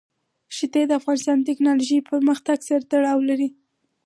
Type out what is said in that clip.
ښتې د افغانستان د تکنالوژۍ پرمختګ سره تړاو لري.